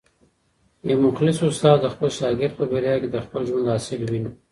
یو مخلص استاد د خپل شاګرد په بریا کي د خپل ژوند حاصل ویني.